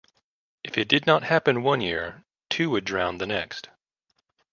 If it did not happen one year, two would drown the next.